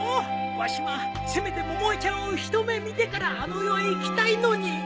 わしはせめて百恵ちゃんを一目見てからあの世へ行きたいのに。